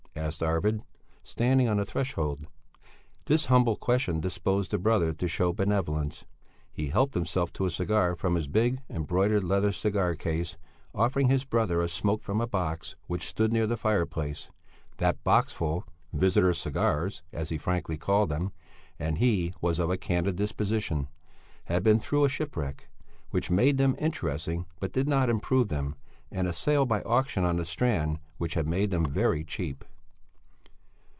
asked Arvid, standing on the threshold. This humble question disposed the brother to show benevolence. He helped himself to a cigar from his big, embroidered leather cigar case, offering his brother a smoke from a box which stood near the fire place; that boxful visitors' cigars, as he frankly called them, and he was of a candid disposition had been through a shipwreck, which made them interesting, but did not improve them, and a sale by auction on the strand, which had made them very cheap.